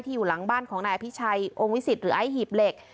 อยู่หลังบ้านของนายอภิชัยองค์วิสิตหรือไอ้หีบเหล็ก